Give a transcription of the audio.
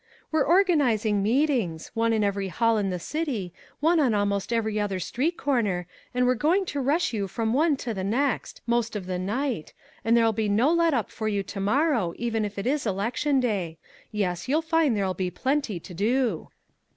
"We're organizing meetings one in every hall in the city, one on almost every other street corner, and we're going to rush you from one to the next most of the night and there'll be no letup for you tomorrow, even if it is election day. Yes, you'll find there'll be plenty to do!"